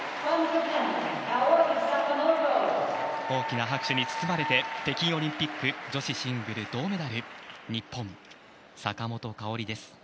大きな拍手に包まれて北京オリンピック女子シングル銅メダル日本、坂本花織です。